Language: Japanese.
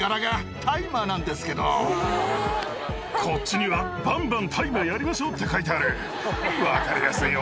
こっちには「バンバン大麻やりましょう」って書いてある。